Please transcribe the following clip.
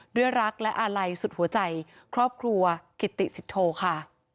ด้วยรักและอาลัยสุดหัวใจครอบครัวกิติสิทโทค่ะ